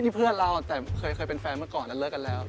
นี่เพื่อนเราแต่เคยเป็นแฟนเมื่อก่อนแล้วเลิกกันแล้ว